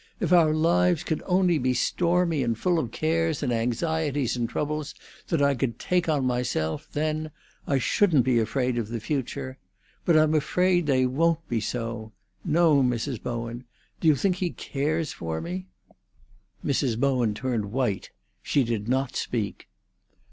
If our lives could only be stormy and full of cares and anxieties and troubles that I could take on myself, then, then I shouldn't be afraid of the future! But I'm afraid they won't be so—no, Mrs. Bowen, do you think he cares for me?" Mrs Bowen turned white; she did not speak.